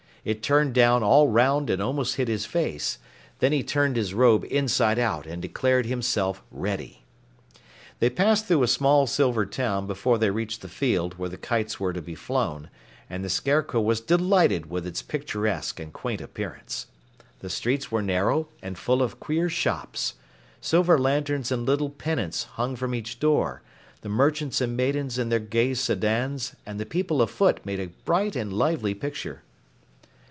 It turned down all 'round and almost hid his face. Then he turned his robe inside out and declared himself ready. They passed through a small silver town before they reached the field where the kites were to be flown, and the Scarecrow was delighted with its picturesque and quaint appearance. The streets were narrow and full of queer shops. Silver lanterns and little pennants hung from each door, the merchants and maidens in their gay sedans and the people afoot made a bright and lively picture.